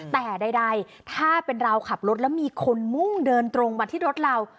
แต่ใดถ้าเป็นเราขับรถแล้วมีคนมุ่งเดินตรงมาที่รถเรา